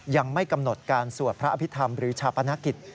ยังไม่กำหนดการสวดพระอภิษฐรรมหรือชาปนกิจ